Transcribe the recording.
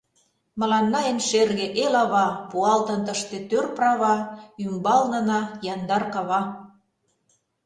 Мыланна эн шерге эл-ава, Пуалтын тыште тӧр права, Ӱмбалнына яндар кава.